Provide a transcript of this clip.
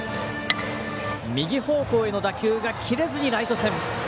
右方向への打球が切れずにライト線。